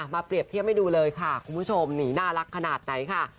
เปรียบเทียบให้ดูเลยค่ะคุณผู้ชมนี่น่ารักขนาดไหนค่ะ